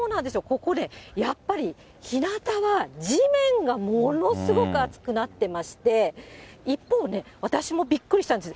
ここで、やっぱりひなたは地面がものすごく熱くなってまして、一方ね、私もびっくりしたんです。